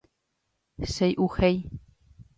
Chey'uhéi.